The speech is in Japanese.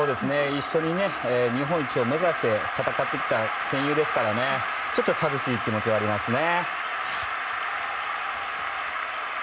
一緒に日本一を目指して戦ってきた戦友ですから、ちょっと寂しい気持ちはありますね。